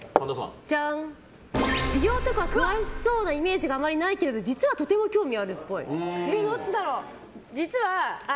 美容とか詳しそうなイメージがあまりないけれど実はとても興味あるっぽい。